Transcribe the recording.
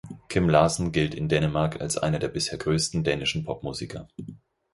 Kim Larsen gilt in Dänemark als einer der bisher größten dänischen Pop-Musiker.